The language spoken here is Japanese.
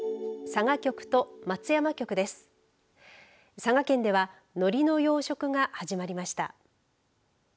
佐賀県ではのりの養殖が始まりました。